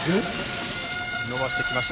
伸ばしてきました。